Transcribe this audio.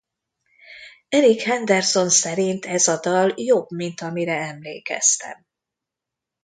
Eric Henderson szerint ez a dal jobb mint amire emlékeztem.